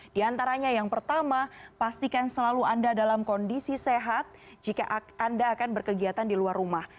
di antaranya yang pertama pastikan selalu anda dalam kondisi sehat jika anda akan berkegiatan di luar rumah